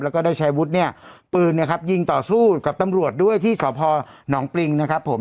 แล้วก็ได้ใช้วุฒิเนี่ยปืนเนี่ยครับยิงต่อสู้กับตำรวจด้วยที่สพหนองปริงนะครับผม